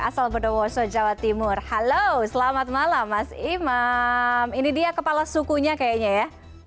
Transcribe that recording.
asal bodowoso jawa timur halo selamat malam mas imam ini dia kepala sukunya kayaknya ya